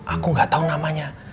aku gak tau namanya